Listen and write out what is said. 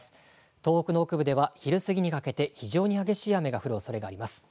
東北の北部では昼過ぎにかけて非常に激しい雨が降るおそれがあります。